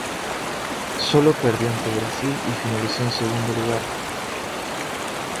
Sólo perdió ante Brasil y finalizó en segundo lugar.